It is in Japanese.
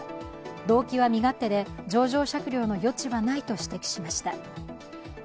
動機は身勝手で情状酌量の余地はないと指摘しました。